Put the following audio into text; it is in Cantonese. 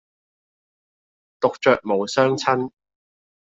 獨酌無相親。